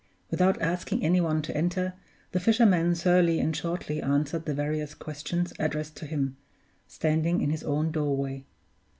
Without asking any one to enter, the fisherman surlily and shortly answered the various questions addressed to him, standing in his own doorway.